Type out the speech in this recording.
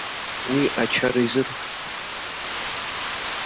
Уи ачара изырԥшӡом.